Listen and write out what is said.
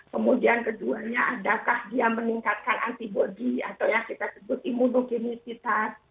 kemudian keduanya adakah dia meningkatkan antibody atau yang kita sebut imunogenisitas